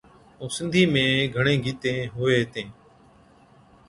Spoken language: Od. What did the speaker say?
ائُون سِنڌِي ۾ گھڻين گيتين ھُوي ھِتين